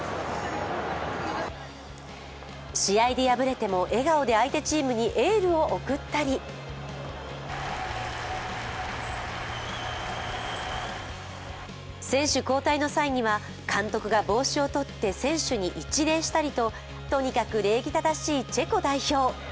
試合で敗れても笑顔で相手チームにエールを送ったり選手交代の際には、監督が帽子を取って選手に一礼したりととにかく礼儀正しいチェコ代表。